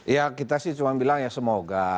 ya kita sih cuma bilang ya semoga